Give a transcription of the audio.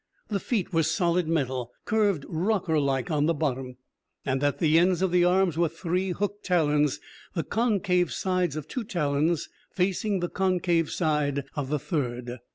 The feet were solid metal, curved rocker like on the bottom, and at the ends of the arms were three hooked talons, the concave sides of two talons facing the concave side of the third.